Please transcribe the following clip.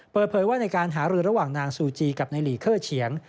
เปิดเผยว่าในการหารือระหว่างนางซูจีกับนายหลีเคอร์เฉียง